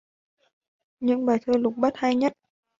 Những bài thơ lục bát hay nhất